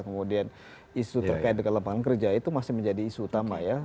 kemudian isu terkait dengan lapangan kerja itu masih menjadi isu utama ya